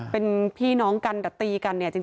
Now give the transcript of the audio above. เป็นพี่น้องกันกับตีกันเนี่ยจริง